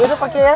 ya udah pak kiai